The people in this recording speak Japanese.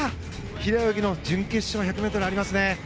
平泳ぎの準決勝１００ｍありますね。